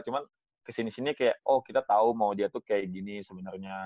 cuman kesini sini kayak oh kita tahu mau dia tuh kayak gini sebenarnya